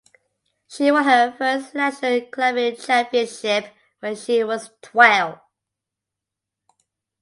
She won her first National Climbing Championship when she was twelve.